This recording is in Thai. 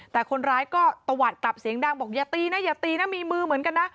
แต่คนร้ายก็ตวัดกลับเสียงดังบอกอย่าตีนะอย่าตีนะมีมือเหมือนกันนะ